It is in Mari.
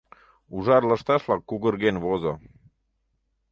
Ужар лышташла кугырген возо.